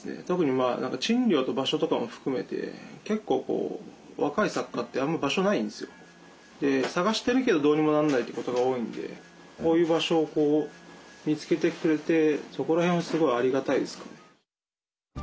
特に賃料と場所とかも含めて結構若い作家ってあんま場所ないんですよ。で探してるけどどうにもなんないってことが多いんでこういう場所を見つけてくれてそこら辺はすごいありがたいですかね。